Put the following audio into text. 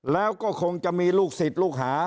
แล้วก็คงจะมีลูกศิษย์ลูกหา